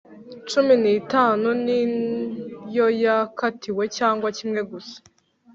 cumi n itanu niyo yakatiwe cyangwa kimwe gusa